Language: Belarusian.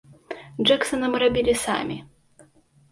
Джэксана мы рабілі самі.